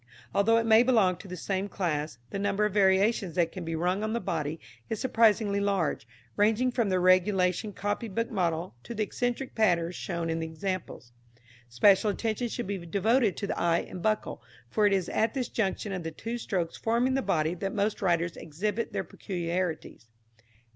Although it may belong to the same class, the number of variations that can be rung on the body is surprisingly large, ranging from the regulation copybook model to the eccentric patterns shown in the examples. Special attention should be devoted to the eye and buckle, for it is at this junction of the two strokes forming the body that most writers exhibit their peculiarities.